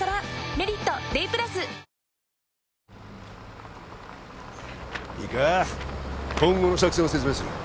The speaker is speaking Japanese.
「メリットＤＡＹ＋」いいか今後の作戦を説明する